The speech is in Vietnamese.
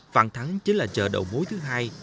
phạm thắng chính là chợ đầu mối thứ hai